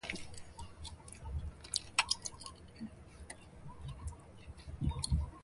The structure of society tended to resolve itself into its individual elements.